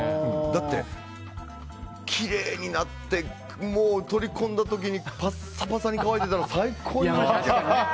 だって、きれいになってもう、取り込んだ時にパッサパサに乾いてたら最高。